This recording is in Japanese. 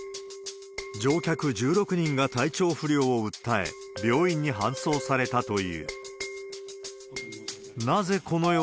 乗客１６人が体調不良を訴え、病院に搬送されたという。